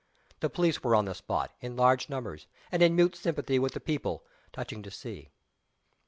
The police were on the spot, in large numbers, and in mute sympathy with the people, touching to see.